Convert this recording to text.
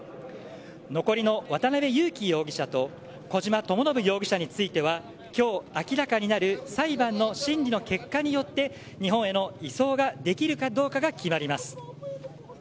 残りの渡辺優樹容疑者と小島智信容疑者については今日明らかになる裁判の審理の結果によって日本への移送ができるかどうかが決まります。